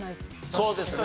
そうですね。